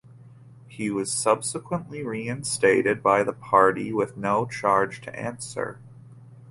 He was subsequently reinstated by the party with no charge to answer.